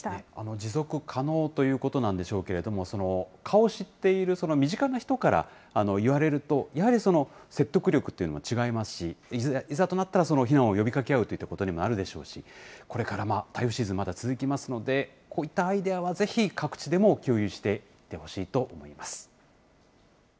持続可能ということなんでしょうけれども、顔を知っている身近な人からいわれると、やはりその説得力というのも違いますし、いざとなったら、避難を呼びかけ合うといったことになるでしょうし、これから台風シーズン、まだ続きますので、こういったアイデアはぜひ、各地でも共有していってほしいと思います。